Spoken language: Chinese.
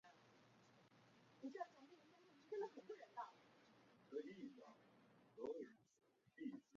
叶城县是中国新疆维吾尔自治区喀什地区所辖的一个县。